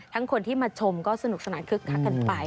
คนที่มาชมก็สนุกสนานคึกคักกันไป